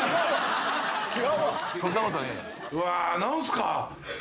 うわ。何すか？